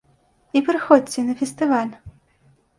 І прыходзьце на фестываль!